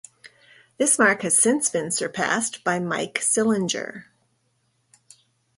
This mark has since been surpassed by Mike Sillinger.